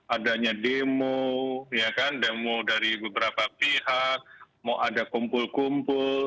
adanya demo demo dari beberapa pihak mau ada kumpul kumpul